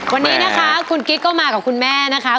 วันนี้นะคะคุณกิ๊กก็มากับคุณแม่นะคะ